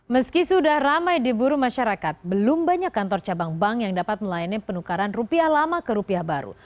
meski sudah ramai diburu masyarakat belum banyak kantor cabang bank yang dapat melayani penukaran rupiah lama ke rupiah baru